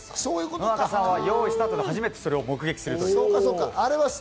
野中さんは用意スタートで初めて目撃する。